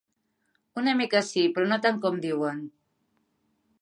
Una mica sí, però no tant com diuen.